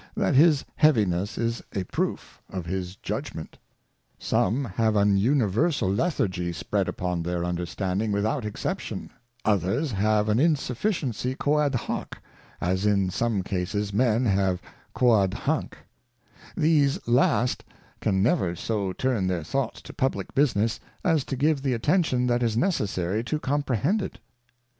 That his heaviness is a proof of his Judgment. Some have an universal Lethargy spread upon their Under standing without exception ; others have an Insufficiency quoad hoc, as in some Cases men have quoad hanc; These last can never so turn their thoughts to publick Business, as to give the attention that is necessary to Comprehend it.